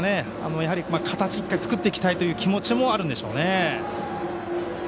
やはり形を作っていきたいという気持ちもあるんでしょうね。